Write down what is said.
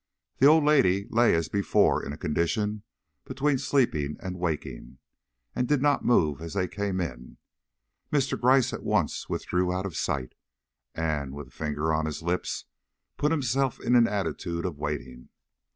The old lady lay as before in a condition between sleeping and waking, and did not move as they came in. Mr. Gryce at once withdrew out of sight, and, with finger on his lip, put himself in the attitude of waiting.